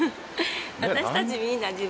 私たちみんな自分の。